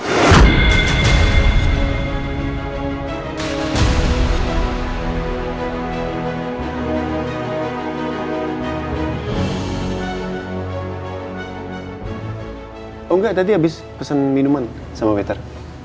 oh enggak tadi habis pesen minuman sama wetter